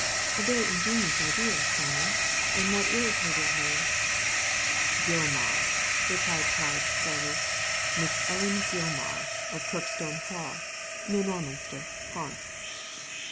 " A very ingenious idea, Simon. And what is her real name ?" "Gilmar!" replied Parge, slowly. "Miss Ellen Gilmar, of Kirkstone Hall, near Norminster, Hants."